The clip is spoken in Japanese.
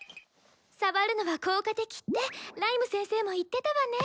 触るのは効果的ってライム先生も言ってたわね。